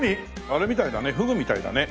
あれみたいだねフグみたいだね。